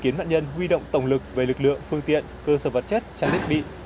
khiến nạn nhân huy động tổng lực về lực lượng phương tiện cơ sở vật chất trang thiết bị